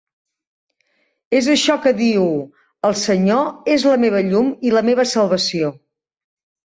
És això que diu: "El Senyor és la meva llum i la meva salvació".